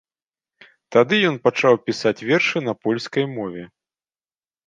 Тады ён пачаў пісаць вершы на польскай мове.